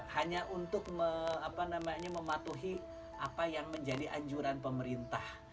hanya untuk mematuhi apa yang menjadi anjuran pemerintah